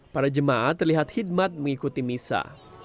para jemaat terlihat hidmat mengikuti misa